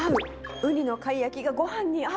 ウニの貝焼きがごはんに合う。